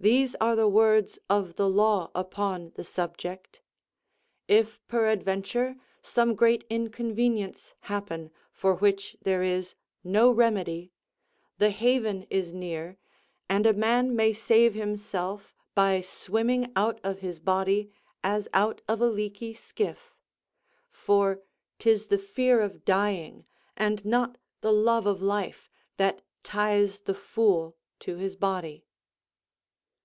These are the words of the law upon the subject: "If peradventure some great inconvenience happen, for which there is no remedy, the haven is near, and a man may save himself by swimming out of his body as out of a leaky skiff; for 'tis the fear of dying, and not the love of life, that ties the fool to his body."